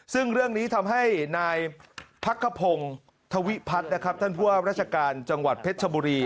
ซึ่งเรื่องนี้ทำให้นายพักขพงศ์ธวิพัฒน์นะครับท่านผู้ว่าราชการจังหวัดเพชรชบุรี